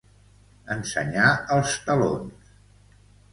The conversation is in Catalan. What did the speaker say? Ensenyar els talons.